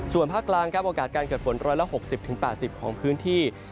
ส่วนภาคกลางครับโอกาสการเกิดฝน๑๖๐๘๐ของพื้นที่